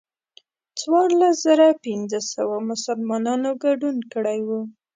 څوارلس زره پنځه سوه مسلمانانو ګډون کړی و.